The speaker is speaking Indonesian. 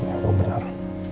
iya kamu benar